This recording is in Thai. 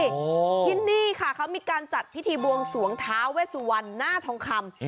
ที่นี่เขามีการจัดพิธีบวงสวงท้าเวสุวรรณหน้าทองคำ